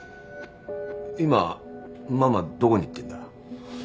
今ママどこに行ってんだ？